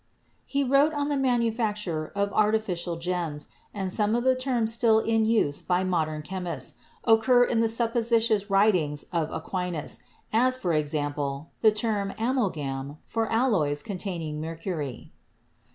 He wrote on the manufacture of artificial gems and some of the terms still in use by modern chemists occur in the supposititious writ ings of Aquinas, as, for example, the term "amalgam" for alloys containing mercury.